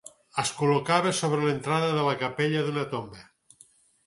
Es col·locava sobre l'entrada de la capella d'una tomba.